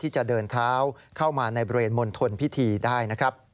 ที่จะเดินเท้าเข้ามาในบริเวณมนตรพิธีได้